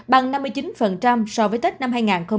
bằng năm mươi chín so với tết năm hai nghìn hai mươi